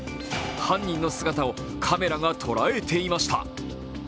犯人の姿をカメラが捉えていました。